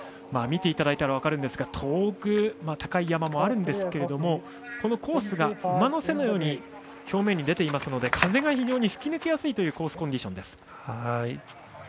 見ていただいたら分かるんですが遠く高い山もあるんですがコースが馬の背のように表面に出ていますので風が非常に吹き抜けやすいコースコンディション。